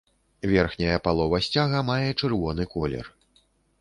Верхняя палова сцяга мае чырвоны колер.